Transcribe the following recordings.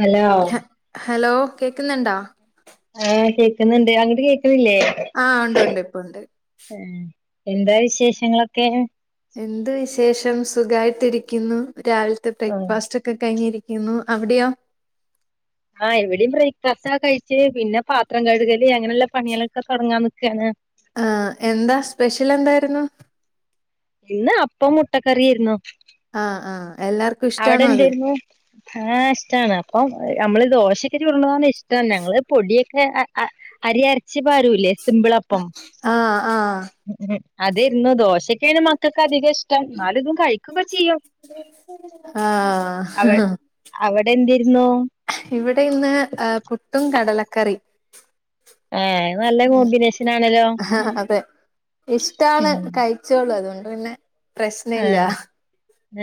Hello ഹ hello കേക്കുന്നുണ്ടോ ഏഹ് കേൾക്കുന്നുണ്ട് അങ്ങട്ട് കേൾക്കണില്ലേ ആഹ് ഉണ്ട് ഉണ്ട് ഇപ്പൊ ഉണ്ട് ആ എന്താ വിശേഷങ്ങളൊക്കെ എന്ത് വിശേഷം സുഖമായിട്ടരിക്കുന്നു രാവിലത്തെ ആഹ് ബ്രേക്ക്ഫാസ്റ്റ്ക്കെ ഒക്കെ കഴിഞ്ഞിരിക്കുന്നു അവിടെയോ ആഹ്ഇവിടെയും ബ്രേക്ക്ഫാസ്റ്റ് കഴിച്ച് പിന്നെ പാത്രം കഴുകല് അങ്ങനെയുള്ള പണികളൊക്കെ തുടങ്ങാൻ നിക്കുകയാണ് ആ എന്താ സ്പെഷ്യൽ എന്തായിരുന്നു ഇന്ന് അപ്പം മുട്ടക്കറി ആയിരുന്നോ ആഹ് ആ എല്ലാർക്കും ഇഷ്ടാണോ അത് ഹും ആഹ ഇഷ്ടമാണ് അപ്പം നമ്മള് ദോശഒക്കെ ചുടുന്നതാണ് ഇഷ്ടം ഞങ്ങൾ പൊടിയൊക്കെ അരി അരച്ച് പാരുല്ലേ സിംമ്പിളപ്പം ആഹ് ആഹ് അതരുന്നു ദോശ മക്കൾക്ക് അധികം ഇഷ്ടം എന്നാലും ഇതും കഴി അവ ആഹ് ഹ ഹ അവിടെ എന്തിരുന്നു ഇവിടെ ഇന്ന് പുട്ടും കടലക്കറി ഏഹ് നല്ല കോമ്പിനേഷൻ ആണല്ലോ ആ അതെ ഇഷ്ടാണ് ഉം കഴ കഴിച്ചോളും അതുകൊണ്ട് പിന്നെ പ്രശ്ന ഇല്ല ആഹ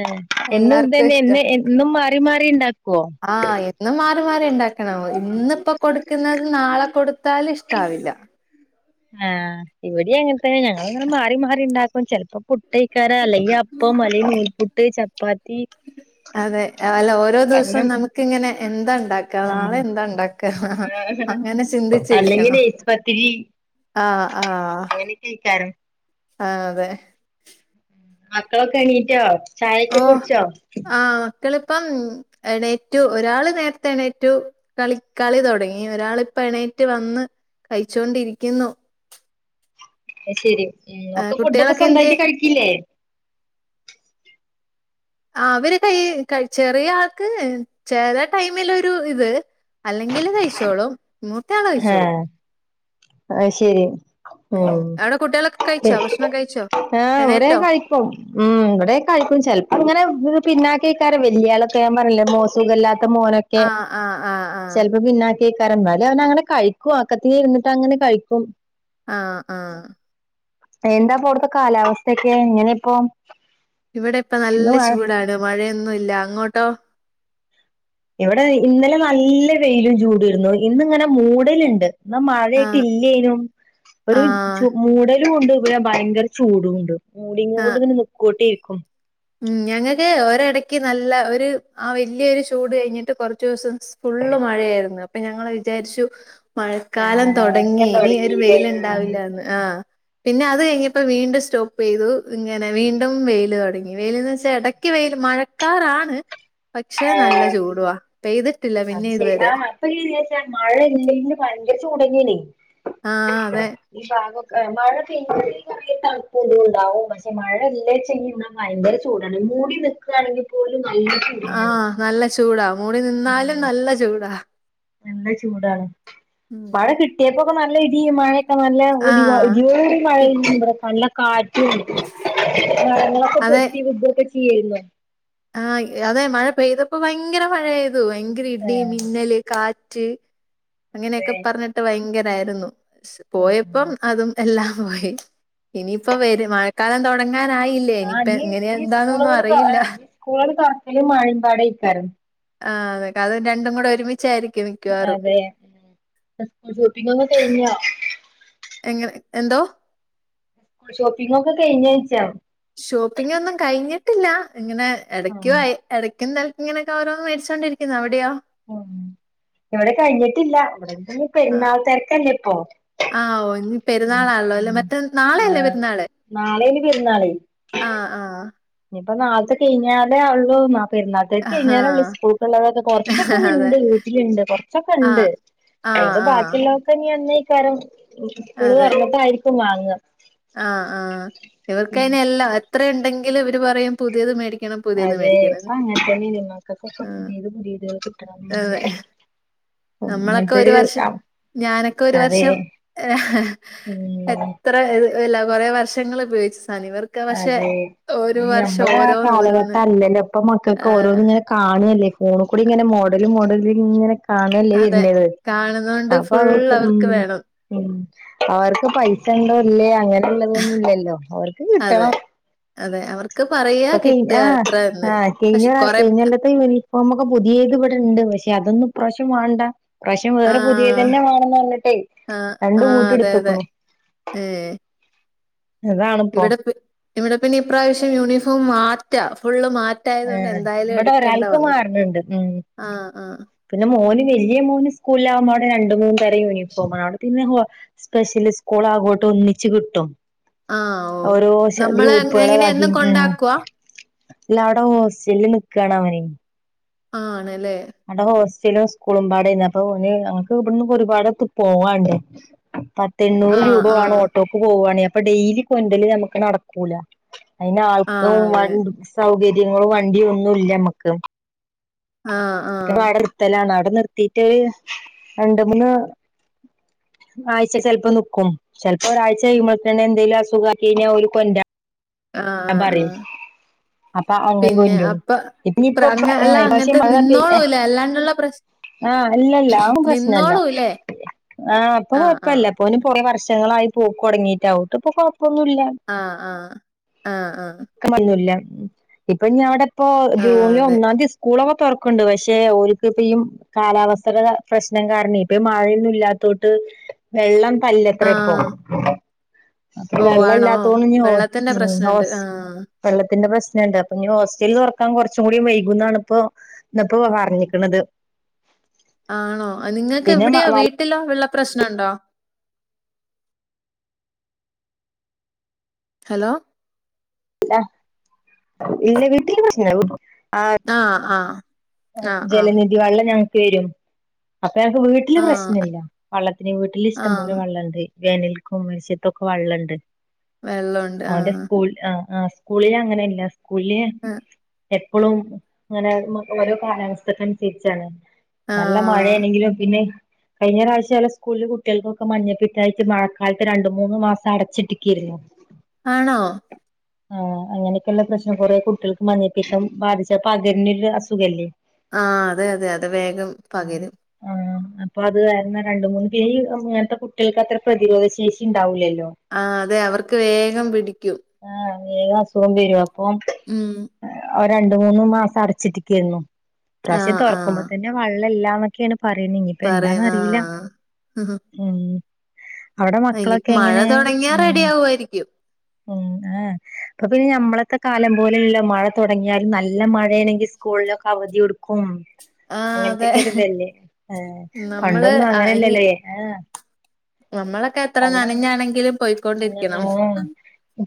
ആ എന്നും എല്ലാർക്കും ഇതന്നെ എന്നും മാറി മാറി ഉണ്ടാക്കുവോ ആഹ എന്നും മാറി മാറി ഉണ്ടാക്കണം ഇന്നിപ്പോ കൊടുക്കുന്നത് നാളെ കൊടുത്താല് ഇഷ്ടവില്ല ആ് ഇവിടെ അങ്ങനത്തെെ ഞങ്ങൾങ്ങനെ മാറി മാറി ഉണ്ടാക്കും ചിലപ്പോ മുട്ടക്കാര അല്ല ഈ അപ്പ മല നൂൽപ്പുട്ട് ചപ്പാത്തി അതെ അല്ല ഓരോ ദിവസം അങ്ങനെ നമുക്ക്ങ്ങനെ എന്താ ഉണ്ടാക്ക നാളെ ആഹ് എന്താ ഉണ്ടാക്ക ആഹ് അങ്ങനെ ചിന്തിച്ചിരിക്കണ അല്ലെങ്കി നെയ്സ് പത്തിരി ആഹ ആഹ അങ്ങനെയൊക്കെയ്ക്കാരം ആഹ അതെ മക്കളൊക്കെ എണീറ്റോ ഓ ചായൊക്കെ കുടിച്ചോ ആഹ് മക്കളിപ്പം എണേറ്റു ഒരാള് നേരത്തെ എണേറ്റു കളിക്കളി തുടങ്ങി ഒരാളിപ്പോ എണറ്റ് വന്ന് കഴിച്ചൊണ്ടിരിക്കുന്നു അ ശരി ആ, ഒക്കെ ഫുഡ ഒക്കെ കുട്ടികളൊക്കെ എന്ത്യേ സ്വന്തമായിട്ട് കഴിക്കില്ലേ അവര് കൈ ചെറിയ ആൾക്ക് ചേല ടൈമിലൊരു ഇത് അല്ലെങ്കില് കഴിച്ചോളും മൂത്തയാള് ആഹ കഴിച്ചോളും അയ് ശെരി ഉ ഉം അവിടെ കുട്ടികളൊക്കെ കഴിച്ചോ ഭക്ഷണം കഴിച്ചോ ആ അവിടെ എണേറ്റോ കഴ ഉ് ഇവിടെ കഴിക്കും ചിലപ്പോ ഇങ്ങനെ പിന്നാക്കെക്കാര വലിയയാളൊക്കെ ൻ പറേ സുഖല്ലാത്ത മോനൊക്കെ ആഹ് ആഹ് ആഹ് ആഹ് ചെലപ്പോ പിന്നാക്കോക്കാറം അവനനെ കഴിക്കും അക്കത്തി ഇരുന്നിട്ട് അങ്ങനെ കഴിക്കും ആ ആഹ എന്താ അവിടെത്തെ കാലാവസ്ഥയക്കെ ഇങ്ങനെ ഇപ്പൊ ഇവിടെ ഇപ്പ നല്ല ചൂടാണ് മഴയൊന്നുമ ഇല്ല അങ്ങോട്ടോ ഇവിടെ ഇന്നലെ നല്ല വെയിലും ചൂടിരുന്നു ഇന്നിങ്ങനെ മൂടൽണ്ട് എന്നാ മഴായിട്ട് ആഹ് ഇല്ലേനും ഒരു ചു ആഹ് മൂടലും കൊണ്ട് ഭയങ്കര ചൂടണ്ട് മൂടിങ്ങ ആഹ് കൊണ്ട് ഇെ നക്കോട്ടി ഇരിക്കും ഉം ഞങ്ങക്ക് ഒരാടാക്ക് നല്ല ഒരു ആ വല്യൊരു ചൂട് കഴിഞ്ഞിട്ട് കുറച്ച് ദിവസം ഫുള്ള് മഴയായിരുന്നു അപ്പൊ ഞങ്ങള് വിചാരിച്ചു മഴക്കാലം ആഹ് തുടങ്ങി വർഷം ഇനി ഒരു തൊടങ്ങീല്ലേ ആഹ് വെയിലുണ്ടാവില്ലന്ന് ആഹ് പിന്നെ അത് കഴിഞ്ഞപ്പോ വീണ്ടും സ്റ്റോപ്പ്യ്തു ഇങ്ങനെ വീണ്ടും വെയില് തൊടങ്ങി. ഈ വെയ്ൽന്ന് വെച്ചാ ഇടക്ക് വെയ്ൽ മഴക്കാറാണ്. പക്ഷേ നല്ല ചൂടുവാ പെയ്ത്ട്ടില്ല. അത് ശെരി ആഹ് അപ്പ യ്യ് വിചാരിച്ചാ മഴ ഇല്ലെങ്കില് ഭയങ്കര ചൂടന്നെയാണേ. ആഹ് അതെ ഈ ഭാഗക്കെ മഴ പെയ് [unintelligible] തണ്പ്പുണ്ടാവും പഷേ മഴഇല്ലേച്ചെ [unintelligible] ഭയങ്കര ചൂടാണ് ഈ മൂടി നിക്കാണെങ്കിപോലും നല്ല ചൂടാണ് ആഹ് നല്ല ചൂടാ മൂടി നിന്നാലും ഉം നല്ല ചൂടാ നല്ല ചൂടാണ് മഴ ഉം കിട്ടിയപ്പോക്കെ നല്ല ഇടിം മഴേം നല്ല ഇടിവാ ആഹ് ഇടിയോട്കൂ‌ടി മഴ കി [unintelligible] ഇബടെ നല്ല കാറ്റും മരങ്ങളോ പൊട്ടി വികൊക്കെ ചെയ്യായിരുന്നു ആഹ അതെ മഴ പെയ്തപ്പോ ഭയങ്കര മഴയത് ഭയങ്കര ഇടി ഏഹ് മിന്നല് കാറ്റ് അതെ അങ്ങനെയൊക്കെ പറഞ്ഞിട്ട് ട്ട് ഭയങ്കരാര്ന്നു ഉം ഉം പോയപ്പം അതും എല്ലാം പോയി. ഇനിയിപ്പോ വരും മഴക്കാലം തൊടങ്ങാനായി ആഹ് എനിയിപ്പ എങ്ങനെ എന്താന്നൊന്നും അറിയില്ല. സ്കൂൾ തൊറക്കലും മഴേമ്പാടെ ആയ്ക്കാരം ആഹ് അതെ കത് രണ്ടും കൂടെ ഒരുമിച്ചാരിക്കും മി അതെ സ്കൂൾ ഷോപ്പിംഗ് ഒക്കെ കഴ്ഞൊ? എങ്ങ എന്തോ? ഷോപ്പിംങ്ങോക്കെ കഴ്ഞ്ഞോ ചോയ്ച്ചാ? ഷോപ്പിംഗ് ഒന്നും കൈഞ്ട്ട്ല്ല ഇങ്ങനെ എടയ്ക്ക് ആഹ് വായി ഇടക്കും തലക്കും ഇങ്ങനൊക്കെ ഓരോന്ന് മേടിചോണ്ടിരിക്ക്ന്നു അവിടെയോ? ഉം ഇവ്ടെ കഴ്ഞ്ട്ടില്ല ഇവടെഞ്പ്പൊ ആഹ് പെരുന്നാൾ തെരക്കല്ലേ പ്പോ? ആഹ് ഓ ഇഞ് പെരുന്നാളാല്ലോ അല്ലേ മറ്റേ നാളെയല്ലേ പെരുന്നാള്? നാളെയാണ് ആഹ് ആഹാ ഇഞ്ഞിപ്പ നാളത്തെ കയിഞ്ഞാലേ അറിള്ളു മാ പെര്ന്നാത്തെരക്ക് ആഹ് കഴ്ഞ്ഞാലേ ഒള്ളൂ ആഹ് സ്കൂൾക്ക്ള്ളതൊക്കെ അതെ കൊറച്ചൊക്കവ്ടെണ്ട് വീട്ടില്ണ്ട് കൊറച്ചൊക്കെണ്ട് ആഹ് ആഹ് ആഹാ പ്പെഞ്ഞെന്നെയ്ക്കാരം സ്കൂള് തൊർന്ന്ട്ടായിരിക്കും വാങ്ങ. ആഹ് ആഹ് ഇവർക്കയ്ന് എല്ലാം എത്രെയ്ണ്ടെങ്കിലും ഇവര് പറയും പുതിയത് മേടി അതെ ഇപ്പ അങ്ങൻ തന്നേണേ മക്കൾക്കൊക്കെ ആഹ് പുതിയേത് പുതിയേത്കള് അതെ കിട്ടണംന്നാ [inaudible] നമ്മളൊക്കെ ഒര് വർഷം ഞാനൊക്കെ ഒര് അതെ വർഷം ഉം ത്ര ഇദ് എല്ല കൊറേ വർഷങ്ങള് ഉപയോഗിച്ച സാനം ഇവർ അതെ ഇഞ് ഞമ്മടെ ആ ഓരോന്ന് ഓരോന്ന് കാലഘട്ടം അല്ലല്ലോ ഇപ്പം മക്കക്ക് ആഹ് ഓരോന്ന്ങ്ങനെ കാണു അല്ലേ ഫോണ്ക്കൂടിങ്ങനെ മോഡല് മോഡല് ഇങ്ങനെ കാണല്ലേ അതെ വര്ണെത്. കാണുന്നോണ്ട് ഫുൾ അപ്പവർക്ക് ഉം അവർക്ക് വേണം ഉം അവർക്ക് പൈസണ്ടോ ഇല്ലേ അങ്ങനെള്ളതൊന്നും ഇല്ലല്ലോ ഓർ അതെ അതെ അവർക്ക് പറയാ ഇപ്പൊ കഴിഞ്ഞ കിട്ടാ അത്രതന്നെ പഷേ കൊറേ പ്പ യുണിഫോമോക്കെ പുതിയത് ഇവ്ടെണ്ട് പഷേ അതൊന്നും ഇപ്രാശം വാണ്ട. ഇപ്രാശം വേറെ ആഹ് പുതിയതന്നെ വാണംന്ന് പറഞ്ഞിട്ടേ ആഹ് രണ്ട് ആഹ് കൂട്ടം അതെ അതെ എട്‌ത്ത്ക്ക്ണു. ഏഹ് അതാണ്പ്പം ഇവ്ടെ പിന്നെയിപ്രാശം യൂണിഫോം മാറ്റ ഫുള്ള് മാ റ്റായോണ്ടെ ആഹ് എന്തായാലും ഇവിടെ എട്‌ക്കണ്ട ഒരാൾക്ക് വന്നു മാറണുണ്ട് ഉം ആഹ് ആഹ്. പിന്നെ മോന് വല്യ മോന് സ്കൂളിലാക്മ്പോ അവ്ടെ രണ്ട് മൂന്ന് തരം യൂണിഫോമാണ് അവ്ടെ പിന്നെ ഹോ സ്പെഷ്യലി സ്കൂളാകൊണ്ട് ഒന്നിച്ച് കിട്ടും. ആഹ് ഓ ഓരോ ശ നമ്മള് എങ്ങ- ഗ്രൂപ്പാളെ എങ്ങനെ എന്നും വകിം ഉം. കൊണ്ടാക്കുവാ അല്ല അവ്ടെ ഹോസ്റ്റൽല്ല് നിക്കാണവന് ആണ്ലേ? അവ്ടെ ഹോസ്റ്റലും സ്കൂളും പാടെള്ളെ അപ്പൊ ഓന് ഞങ്ങക്ക് ഇവ്ട്‌ന്നൊക്കൊര്പാട് പോവാണ്ട്. പത്ത് എണ്ണൂറ് ആഹ് രൂപ വാണം ആഹ് ഓട്ടോക്ക് പോവാനേ അപ്പൊ ഡെയ്ലി കോണ്ടോര്ല് നമ്മക്ക് നട ക്കൂല അയ്ന് ആൾക്ക് ആഹ് അതെ വണ്ടി സൗകര്യങ്ങളും വണ്ടിയൊന്നും ഇല്ല ഞമ്മക്ക്. ആഹ് ആഹ് വര്ത്തലാണ് അവ്ടെ നിർത്തിട്ട് രണ്ട് മൂന്ന് വർ ആഴ്ച്ച ചെൽപ്പോ നിക്കും ചെലപ്പോ ഒരാഴ്ച കയ്യുമ്പതന്നെ എന്തേലും അസുഖായിനേ ഓല് കൊണ്ട്രാ ആഹ് മ് ആഹ് പറിം ആഹ് അപ്പ അങ്ങിം പിന്നെ കൊട്രും അപ്പ പ്ര ഇഞ്ഞ്പ്പൊ അങ്ങ ആ അല്ല പക്ഷേ അങ്ങനത്തെ മഴ പെയ നിന്നോളൂല്ലേ അല്ലാണ്ടുള്ള പ്രശ് ആഹ് ഇല്ലല്ല അഹൊന്നും പ്രശ്നെല്ല നിന്നോളൂല്ലേ ആഹ് ഇപ്പൊ കൊഴപ്പല്ല ഇപ്പോന് കൊറേ വർഷങ്ങളായി പോക്കൊടങ്ങീട്ടാവും ഇക്ക്പ്പൊ കൊഴപ്പൊന്നുല്ല. ആഹ് ആഹ് ആഹ് ആഹ് ട്ക്ക്ണൊന്നുല്ല്യ ഇപ്പഞ്ഞവടെപ്പോ ആഹ് ജൂണില് അതെ ഒന്നാം തി സ് കൂളൊക്കെ തൊർക്ക്ണ്ട് പഷേ ഓൽക്ക്പ്പ ഈ കാലാവസ്ഥെടെ പ്രശ്നം കാരണേയ് ഇപ്പൊയി മഴൊന്നും ഇല്ലാത്തോട്ട് വെള്ളം തല്ലത്രേപ്പൊ ആഹ് അപ്പം ഓ ആണോ വെള്ളല്ലാത്തോണ്ട് ഞ്ഞ് ഓ വെള്ളത്തിന്റെ ഉം പ്രശ്നണ്ട് ഹോസ് ആഹ് വെള്ളത്തിന്റെ പ്രശ്നെണ്ട് അപ്പൊഞ്ഞ് ഹോസ്റ്റല് തൊറക്കാൻ കൊറച്ചും കൂടി വൈകുന്നാണ്പ്പൊ ന്ന്പ്പോ പറഞ്ഞിക്ക്ണത് ആണോ? നിങ്ങക്കെവിടിയൊ വീട്ടിലോ വെള്ള പ്രശ്നൊണ്ടോ? ഹലോ ല്ല ഇല്ല്യ വീട്ടില് പ്രശ്ന വ ആഹാ ആഹ് ആഹ് ആഹ്, ആഹ്. ജലനിധി വള്ളം ഞങ്ങ്ക്ക് വെരും അപ്പൊ ഞങ്ങ്ക്ക് വീ ട്ടില് ആഹ്, പ്രശ്നെല്ല വള്ളത്തിന് വീട്ടിലിഷ്ടം പോലെ ആഹ്. വള്ളണ്ട്. വേനൽക്കും വർശത്തൊക്കെ വള്ളണ്ട് വെള്ളോണ്ട്. ഓന്റെ ആഹ്. സ്കൂൾ ആ ആ സ്കൂളിൽ അങ്ങനെല്ല സ്കൂളില് അ എപ്പളും ങ്ങനെ മ ഓരോ കാലാവസ്ഥക്കനുസരിച്ചാണ് നല്ല ആഹ്. മഴേണെങ്കിലും പിന്നെ കഴിഞ്ഞ പ്രാശൃം ഓലെ സ്കൂളില് കുട്ടികൾക്കൊക്കെ മഞ്ഞപ്പിത്തായിട്ട് മഴക്കാലത്ത് രണ്ട് മൂന്ന് മാസം അടച്ചിട്ട്ക്കേരുന്നു. [inaudible] ആണോ? ആഹ് അങ്ങനൊക്കെയ്ള്ള പ്രശ്നം കൊറേ കുട്ടികൾക്ക് മഞ്ഞപ്പിത്തം ബാധിച്ചപ്പ പകര്ണിടെ അസ് കല്ലേ ആ അതയതെ അത് വേഗം പകരും. ആഹ് അപ്പൊ അത്കാരണം രണ്ട് മൂന്ന് പേര് അങ്ങനത്തെ കുട്ടികൾക്ക് അത്ര പ്രതിരോധ ശേഷി ഉണ്ടാവൂലല്ലോ ആ അതെ അവർക്ക് വേഗം പിടിക്കും ആഹ് വേഗം അസുഖം വരും അപ്പം ഉം ഒ രണ്ട് മൂന്ന് മാസം അടച്ചിട്ടിക്കേരുന്നു ഇപാവശ്യം ആഹ്, തൊറക്കുമ്പോ ആഹ്. തന്നെ വെള്ളല്ലാന്ന് ന്നൊക്കേണ് പറയ്ണ് ഇഞ്ഞ്പ്പോ പറയും. എന്താന്നറീല്ല ആഹ്. ഉം അവിടെ ഇനിയിപ്പ മഴ മക്കളൊക്കെങ്ങനെ തൊടങ്ങിയാ ഉം? റെഡിയാവുമായിരിക്കും. ഉം ആഹ് പ്പൊ പിന്നെ ഞമ്മളത്തെ കാലം പോലെല്ല മഴ തൊടങ്ങിയാലും നല്ല മഴേണെങ്കി സ്കൂളിനൊക്കെ അവധി ഒടുക്കും ആഹ് അതെ. അങ്ങനത്തെക്കൊരിതല്ലേ ഏ നമ്മള് പണ്ടൊന്നും അങ്ങനല്ലല്ലോ ഏ ആഹ് നമ്മളൊക്കെത്ര നനഞ്ഞാണെങ്കിലും പോയ്ക്കോണ്ടിരിക്കണം.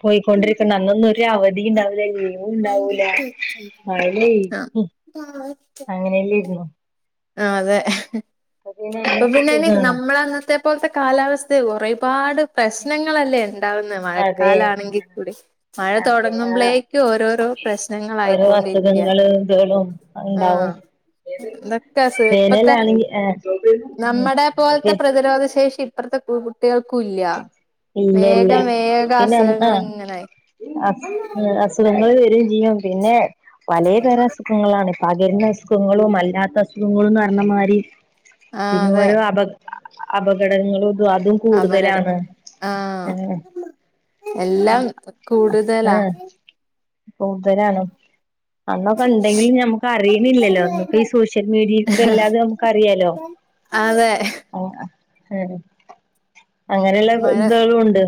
പോയ്ക്കൊണ്ടിരിക്കണം അന്നൊന്നും ഒരവധിണ്ടാവൂല്ല ലീവുണ്ടാവൂല മഴേയ് ഉം ആഹ് അങ്ങനെല്ലേരുന്നു ആ അതെ ഇപ്പൊ പിന്നെ ഇപ്പൊ അയിനൊക്കെ പിന്നെനി സുഖാണ് നമ്മളന്നത്തെ പ്പോത്തെ കാലാവസ്ഥേ ഒറെപാട് പ്രശ്നങ്ങളല്ലേണ്ടാവുന്ന് അതെ മഴക്കാലാണെങ്കികൂടി മഴ അതെ തൊടങ്ങുമ്പളേ ആഹ് ഓരോരോ ഓരോ പ്രശ്നങ്ങൾളായിക്കൊണ്ടിരിക്ക അസുഖങ്ങള് ഇതുകളും ആഹ് ഉണ്ടാവും എന്തൊക്കെസ് പ്പത്തെ വേനലാണെങ്കി ആഹ് ഉം നമ്മടെ പോലത്തെ പ്രതിരോധ ശേഷി ഇപ്പത്തെ കുഴകുട്ടിയേൾക്കുല്ല ഇല്ല ഇല്ല വേഗം പിന്നെ വേഗസുഖങ്ങളിങ്ങനായി ഖങ്ങൾ വരും ചെയ്യും പിന്നെ പലേ തര അസുഖങ്ങളാണ് പകരുന്ന അസുഖങ്ങളും അല്ലാത്ത അസുഖങ്ങളുന്നർറഞ്ഞ മാരി ആഹ് പിന്നെ അതെ ഓരോ അപ അപകടങ്ങളുതും അതും അപകടം കൂടുതലാണ് ആഹ് ഉ ഉ എല്ലാം കൂടുതലാ ആഹ് കൂട്തലാണ് അന്നൊക്കെണ്ടങ്കിലും ഞമ്മക്ക് അറിയ്ണില്ലല്ലോ ഇന്ന്പ്പോ ഈ സോഷ്യൽ മീഡിയയിൽ കൂടെ എല്ലാതും നമക്ക് അറിയാലോ അതെ ഉം അ അങ്ങനെള്ള മഴ ഇതേളുണ്ട്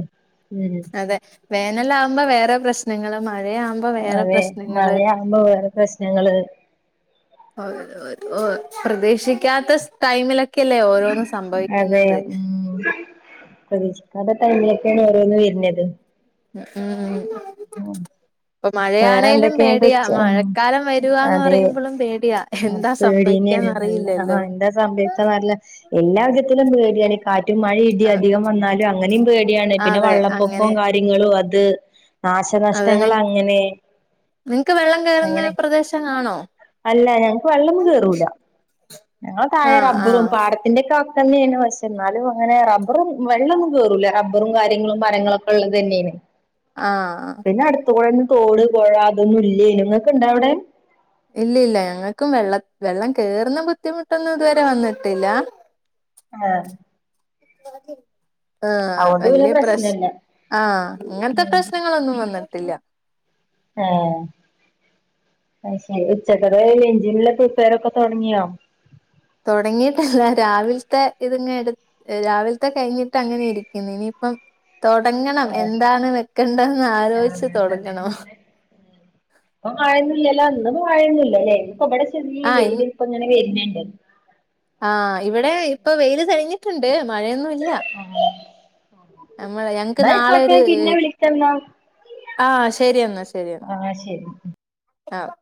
ഉം അതെ വേനലാകുമ്പോ വേറെ പ്രശ്നങ്ങള് മഴേവു അതെ മഴയാവുമ്പോ വേറെ പ്രശ്നങ്ങള് ഓഹ് പ്രതീക്ഷിക്കാത്ത ടൈമിലൊക്കെല്ലേ ഓരോന്ന് അതെ സംഭവിക്കുന്നത് ഉം പ്രതീക്ഷിക്കാത്ത ടൈമിലൊക്കെണ് ഓരോന്ന് വെര്ണത് ഉം ആഹ് ഇപ്പൊ മഴയാണേലും പേടിയാ ഉം മഴക്കാലം വരുവാന്ന് പറയുമ്പഴും പേടിയാ അഹ് എന്താ പേടെന്നെണ് സംഭവിക്കാന്ന് നല്ല അറിയില്ലല്ലോ ആഹ് ന്തസ് സംബയ്ച്ചാർല്ല എല്ലാ വിധത്തിലും പേടിയാണെ കാറ്റും മഴയും ഇടി ആ, അധികം വന്നാലും അങ്ങനിം പേടിയാണ് പിന്നെ അതെ വള്ളപ്പൊക്കവും അങ്ങനെ കാര്യങ്ങളും അത് അതെൻ നാശനഷ്ടങ്ങൾ അങ്ങനെ നിങ്ങ്ക്ക് വെള്ളം കേറുന്ന അങ്ങനെ പ്രദേശം ആണോ? അല്ല ഞങ്ങക്ക് വള്ളെന്നുംകേറൂല ഞങ്ങളെതാഴെ ആഹ് റബ്ബറും ആഹ് പാടത്തിന്റെക്ക തന്നെയാണ് പക്ഷേ എന്നാലും അങ്ങനെ റബറും വെള്ളൊന്നും കേറൂല റബറും കാര്യങ്ങളും മരങ്ങളൊക്കെ ഇള്ളതെന്നെണ് ആഹ് പിന്നെ അടുത്ത് കൂടെന്നെ തോട് പൊഴ അതൊന്നുല്ലേനും ഇങ്ങക്ക് ഇണ്ടവിടെ ഇല്ല ഇല്ല ഞങ്ങക്കും വെള്ള വെള്ളം കേറുന്ന ബുദ്ധിമുട്ടൊന്നും ഇതുവരെ വന്നിട്ടില്ല ഏഹ് ആഹ് അതുകൊണ്ട് പിന്നെ വല്യ പ്രശ് പ്രശ്നല്ല ആഹ് അങ്ങൻത്തെ ഉം പ്രശ് ശ്നങ്ങളൊന്നും വന്ന്ട്ടില്ല ഏഹ് അയ് ശെരി ഉച്ചക്കത്തെ ലെഞ്ചിനിള്ള പ്രിപ്പേരൊക്കെ തൊടങ്ങ്യോ? തൊടങ്ങിട്ടല്ല രാവിൽത്തെ ഇതിങ്ങെടു രാവിൽത്തെ കഴിഞ്ഞിട്ടങ്ങനെ ഇരിക്ക്യന് ഇനിയിപ്പം തൊങ്ങണം എന്താണ് വെക്കെണ്ടെന്ന് ആലോച്ച് ആഹ് തൊടങ്ങണം ഇപ്പം മഴെന്നില്ലല്ലോ ഇന്ന് മഴെന്നില്ലല്ലേ ഇപ്പൊ ഇവടെ ചെറിയ ആഹ് ഇൻ വെയിൽ ഇപ്പങ്ങനെ വെര്നിണ്ട് ആഹ് ഇവിടെ ഇപ്പൊ വെയ്ല് തെളിഞ്ഞിട്ട്ണ്ട് മഴയൊന്നും ഇല്ല നമ്മൾ ഞങ്ങക്ക് എന്നാ നാളെ ആയിക്കോട്ടെ ഒരു പിന്നെ ഇഹ് വിളിക്കന്നാ ആഹ് ശെരി യെന്നാ ശരിയാ ആഹ് ശരി ആഹ്